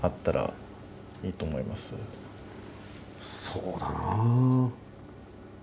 そうだなあ。